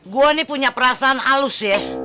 gue ini punya perasaan halus ya